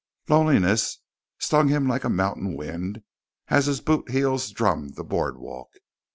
Loneliness stung him like a mountain wind as his bootheels drummed the boardwalk.